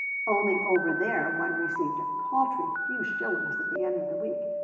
Only over there one received a paltry few shillings at the end of the week.